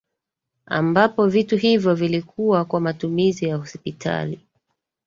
Ambavyo vitu hivyo vilikuwa kwa matumizi ya hospitali